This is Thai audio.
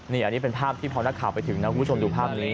นี่อันนี้เป็นภาพที่พอนักข่าวไปถึงนะคุณผู้ชมดูภาพนี้